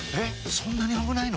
そんなに危ないの？